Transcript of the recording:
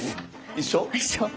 一緒。